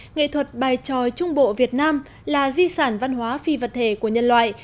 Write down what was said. nghệ thuật bài tròi trung bộ việt nam là di sản văn hóa phi vật thể của nhân loại